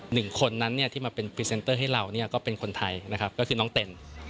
หนึ่งคนนั้นที่มาเป็นพรีเซนเตอร์ให้เราก็เป็นคนไทยก็คือน้องเต่น